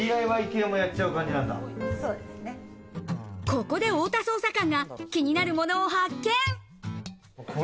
ここで太田捜査官が気になるものを発見。